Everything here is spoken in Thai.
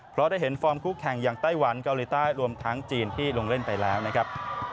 เพราะได้เห็นฟอร์มคู่แข่งอย่างไต้หวันเกาหลีใต้รวมทั้งจีนที่ลงเล่นไปแล้วนะครับ